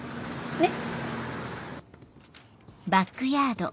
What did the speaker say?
ねっ。